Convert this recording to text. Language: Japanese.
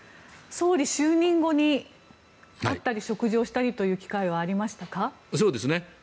総理就任後に会ったり食事をしたりという機会はありましたか？